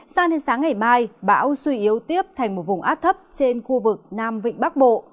sang đến sáng ngày mai bão suy yếu tiếp thành một vùng áp thấp trên khu vực nam vịnh bắc bộ